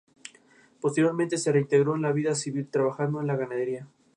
Posteriormente se reintegró en la vida civil trabajando en la ganadería.